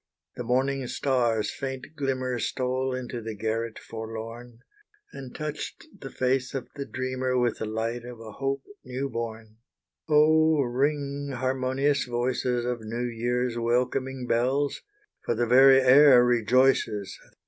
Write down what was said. The morning star's faint glimmer Stole into the garret forlorn, And touched the face of the dreamer With the light of a hope new born. Oh, ring harmonious voices Of New Year's welcoming bells! For the very air rejoices.